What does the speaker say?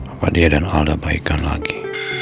apa dia dan ada baikan lagi